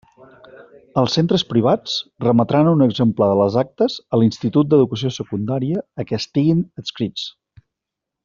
Els centres privats remetran un exemplar de les actes a l'institut d'Educació Secundària a què estiguen adscrits.